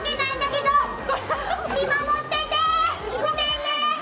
ごめんね！